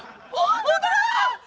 本当だ！